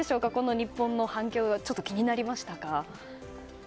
日本の反響がちょっと気になりましたか。